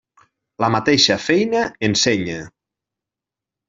La mateixa feina ensenya.